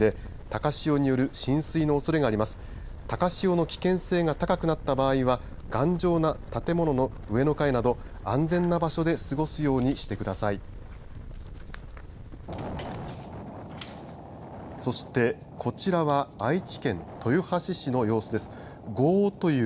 高潮の危険性が高くなった場合は頑丈な建物や上の階など安全な場所で過ごすようにしてください。